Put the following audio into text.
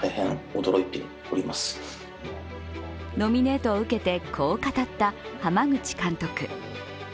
ノミネートを受けて、こう語った濱口監督。